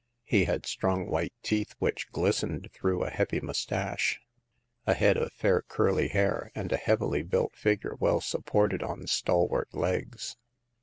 He had strong white teeth, which glistened through a heavy mus tache, a head of fair curly hair, and a heavily built figure well supported on stalwart legs.